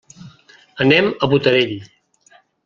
Anem a Botarell.